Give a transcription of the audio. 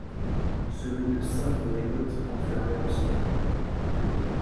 Celui de cinq NoéNautes enfermés ensemble.